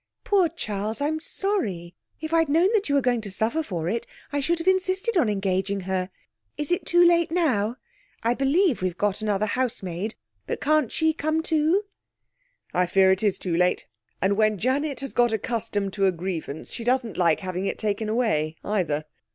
'Poor Charles! I am sorry. If I'd known that you were going to suffer for it, I should have insisted on engaging her. Is it too late now? I believe we've got another housemaid, but can't she come too?' 'I fear it is too late. And when Janet has got accustomed to a grievance she doesn't like having it taken away either.